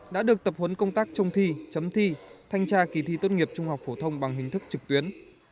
đã được tập huấn công tác trông thi chấm thi thanh tra kỳ thi tốt nghiệp trung học phổ thông bằng hình thức trực tuyến